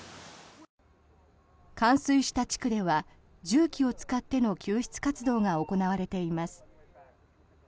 冠水した地区では重機を使っての救出活動が行われています。